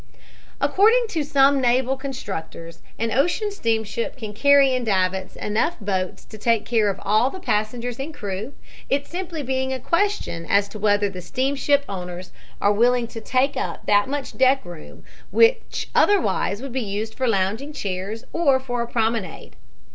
According to some naval constructors, an ocean steamship can carry in davits enough boats to take care of all the passengers and crew, it being simply a question as to whether the steamship owners are willing to take up that much deck room which otherwise would be used for lounging chairs or for a promenade.